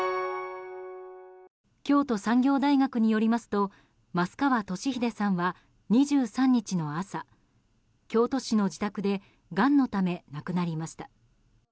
京都産業大学によりますと益川敏英さんは２３日の朝、京都市の自宅でがんのため亡くなりました。